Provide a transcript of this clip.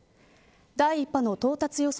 第１波の到達予想